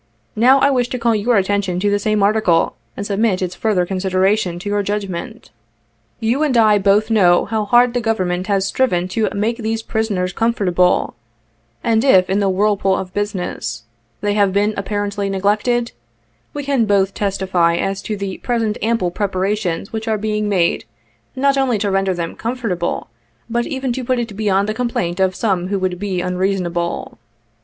Not I wish to call your attention to the same article, and submit its further consideration to your judgment. " You and I both know how hard the Government has striven to make these prisoners comfortable, and if in the whirlpool of business, 36 they have been apparently neglected, we can both testify as to the present ample preparations which are being made, not only to render them comfortable, but even to put it beyond the complaint of some who would be unreasonable.